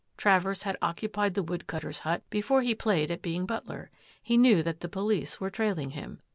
Travers had occupied the wood cutter's hut before he played at being butler ; he knew that the police were trailing him.